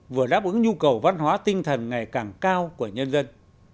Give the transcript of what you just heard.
vừa đáp ứng nhu cầu văn hóa tinh thần ngày càng cao của nhân dân